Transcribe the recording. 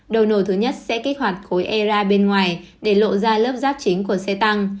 đầu nổ thứ nhất sẽ kích hoạt khối era bên ngoài để lộ ra lớp rác chính của xe tăng